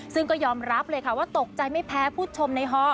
ซึ่งก็ยอมรับเลยค่ะว่าตกใจไม่แพ้ผู้ชมในฮอ